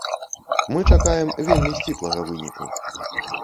Мы чакаем вельмі сціплага выніку.